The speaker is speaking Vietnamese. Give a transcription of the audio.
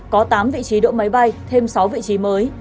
có tám vị trí đỗ máy bay thêm sáu vị trí mới